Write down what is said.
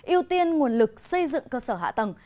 ưu tiên nguồn lực xây dựng cơ sở hạ tầng